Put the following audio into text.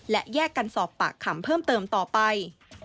และแยกกันสอบปากคำเพิ่มเติมต่อไป